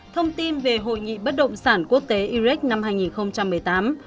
thông tin về hội nghị bất động sản quốc tế irec năm hai nghìn một mươi tám